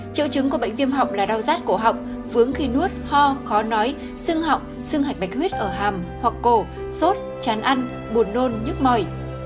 triệu chứng của bệnh viêm họng là đau rát cổ học vướng khi nuốt ho khó nói xương họng xương hạch bạch huyết ở hàm hoặc cổ sốt chán ăn buồn nôn nhức mỏi